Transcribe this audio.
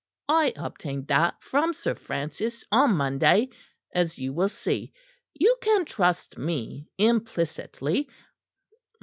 "I obtained that from Sir Francis on Monday, as you will see. You can trust me implicitly."